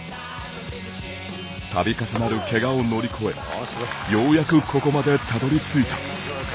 たび重なるけがを乗り越えようやく、ここまでたどり着いた。